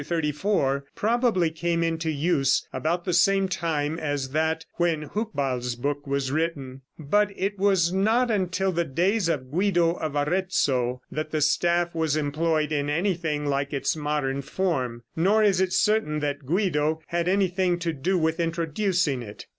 34, probably came into use about the same time as that when Hucbald's book was written, but it was not until the days of Guido of Arezzo that the staff was employed in anything like its modern form, nor is it certain that Guido had anything to do with introducing it.